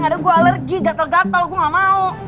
gak ada gua alergi gatel gatel gua gak mau